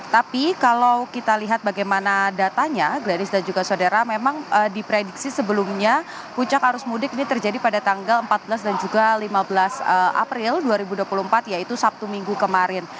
tapi kalau kita lihat bagaimana datanya gladis dan juga saudara memang diprediksi sebelumnya puncak arus mudik ini terjadi pada tanggal empat belas dan juga lima belas april dua ribu dua puluh empat yaitu sabtu minggu kemarin